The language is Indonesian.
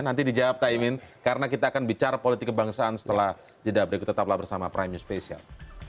nanti dijawab cak imin karena kita akan bicara politik kebangsaan setelah jdabriku tetaplah bersama prime news special